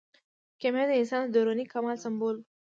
کیمیا د انسان د دروني کمال سمبول و.